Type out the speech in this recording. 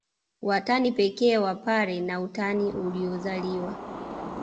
Watani pekee wa Wapare na utani uliozaliwa